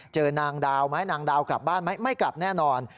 เจอนางดาวไหมนางดาวกลับบ้านไหมไม่กลับแน่นอน